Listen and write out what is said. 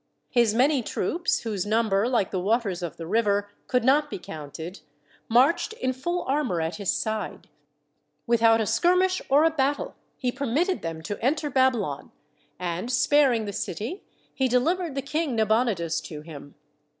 His many troops, whose number, like the waters of the river, could not be counted, marched in full armour at his side, Without a skirmish or a battle, he permitted THE WALLS OF BABYLON 55 them to enter Babylon, and, sparing the city, he deliv ered the King Nabonidus to him.